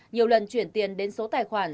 nhiều lần chuyển tiền đến số tài khoản